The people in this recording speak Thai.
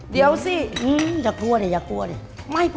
เดี๋ยวนะ